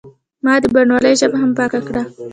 ما د بڼوالۍ ژبه هم پاکه کړه.